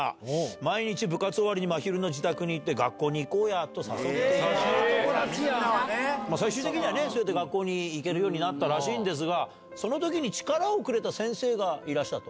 毎日部活終わりにまひるの自宅に行って、最終的にはね、学校には行けるようになったらしいんですが、そのときに力をくれた先生がいらっしゃったと。